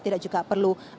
tidak juga perlu